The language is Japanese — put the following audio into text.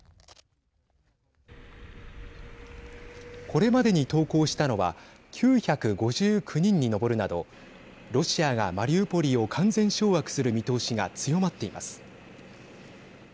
これまでに投降したのは９５９人に上るなどロシアがマリウポリを完全掌握する見通しが強まっています。